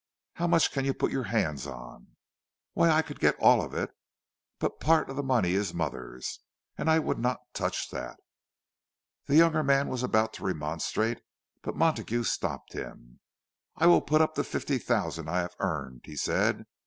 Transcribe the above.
"How much can you put your hands on?" "Why, I could get all of it; but part of the money is mother's, and I would not touch that." The younger man was about to remonstrate, but Montague stopped him, "I will put up the fifty thousand I have earned," he said.